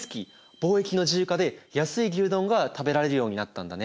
貿易の自由化で安い牛丼が食べられるようになったんだね。